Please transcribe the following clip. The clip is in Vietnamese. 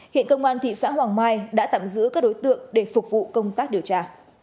hiện công an thị xã hoàng mai đã tạm giữ các đối tượng để phục vụ công tác điều tra